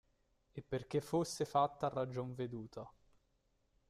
E perché fosse fatta a ragion veduta.